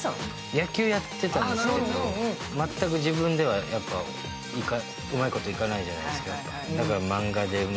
野球やってたんですけど全く自分ではうまいこといかないじゃないですか。